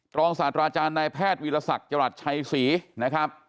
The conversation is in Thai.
ตรงสาธาราชาญนายแพทย์วิทยาศักดิ์จรัสชัยศรีนะครับ